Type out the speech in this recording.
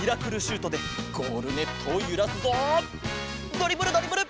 ドリブルドリブル